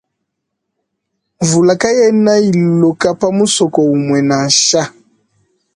Mvula kayena iloka pa musoko umue nansha.